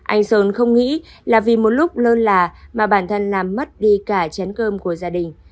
anh sơn không nghĩ là vì một lúc lơ là mà bản thân làm mất đi cả chấn cơm của gia đình